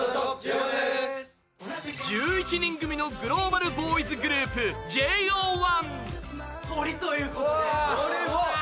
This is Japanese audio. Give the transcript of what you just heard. １１人組のグローバルボーイズグループＪＯ１。